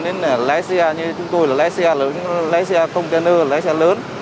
nên là lái xe như chúng tôi là lái xe lớn lái xe container lái xe lớn